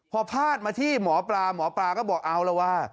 พอพาดมาที่หมอปลาหมอปลาก็บอกเอาละว่า